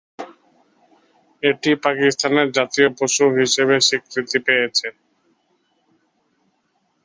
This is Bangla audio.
এটি পাকিস্তানের জাতীয় পশু হিসেবে স্বীকৃতি পেয়েছে।